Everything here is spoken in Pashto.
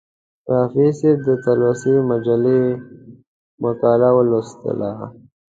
رفیع صاحب د تلوسې مجلې مقاله ولوستله.